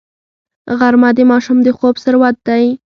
غرمه د ماشوم د خوب سرود دی